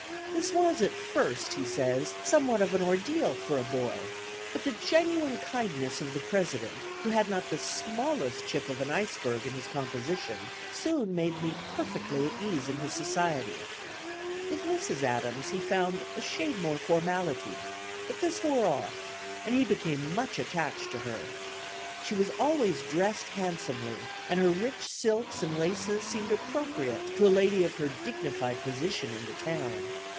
"This was at first," he says, "somewhat of an ordeal for a boy; but the genuine kindness of the President, who had not the smallest chip of an iceberg in his composition, soon made me perfectly at ease in his society." With Mrs. Adams, he found "a shade more formality"; but this wore off, and he became much attached to her. "She always dressed handsomely, and her rich silks and laces seemed appropriate to a lady of her dignified position in the town."